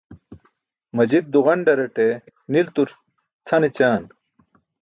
Majit duġanḍaraṭe niltur cʰan ećaan.